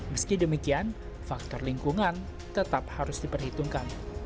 meski demikian faktor lingkungan tetap harus diperhitungkan